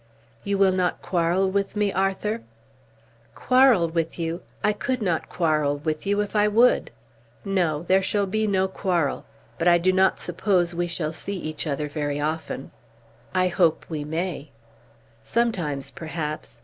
"You will not quarrel with me, Arthur?" "Quarrel with you! I could not quarrel with you, if I would. No; there shall be no quarrel. But I do not suppose we shall see each other very often." "I hope we may." "Sometimes, perhaps.